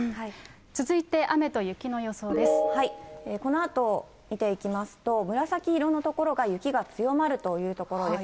続いて、このあと見ていきますと、紫色の所が雪が強まるという所です。